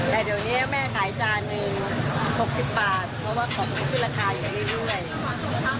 แต่เดี๋ยวนี้แม่ขายจานหนึ่ง๖๐บาทเพราะว่าขอบคุณธุระทายอยู่ในรุ่นไหน